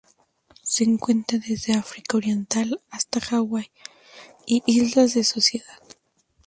Se encuentra desde el África Oriental hasta las Hawaii y Islas de la Sociedad.